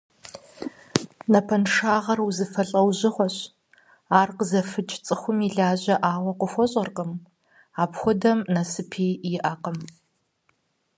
Напэншагъэр узыфэ лӏэужьгъуэщ. Ар къызэфыкӏ цӏыхум илажьэӏауэ къыхуэщӏэркъым. Апхуэдэм нэсыпи иӏэкъым.